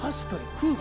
空気？